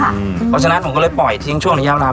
เพราะฉะนั้นผมก็เลยปล่อยทิ้งช่วงระยะยาว